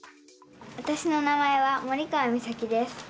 わたしの名前は森川実咲です。